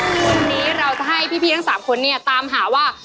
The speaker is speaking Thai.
วันนี้เราจะให้พี่ทั้ง๓คนเนี่ยตามหาว่า